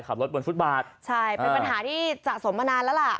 บนฟุตบาทใช่เป็นปัญหาที่สะสมมานานแล้วล่ะ